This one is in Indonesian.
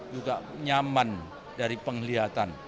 juga nyaman dari penglihatan